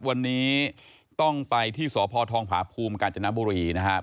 วันนี้ต้องไปที่สพทองผาภูมิกาญจนบุรีนะครับ